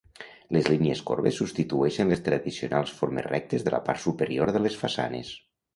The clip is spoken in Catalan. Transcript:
Les línies corbes substitueixen les tradicionals formes rectes de la part superior de les façanes.